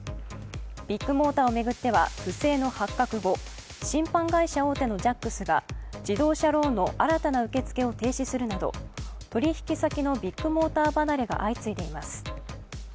ビッグモーターを巡っては不正の発覚後、信販会社大手のジャックスが自動車ローンの新たな受け付けを停止するなど取引先のビッグモーター離れが相次いでいます。